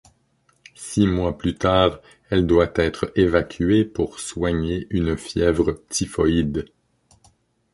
Six mois plus tard, elle doit être évacuée pour soigner une fièvre typhoïde.